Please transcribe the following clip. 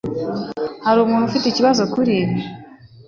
Hari umuntu ufite ikibazo kuri ibi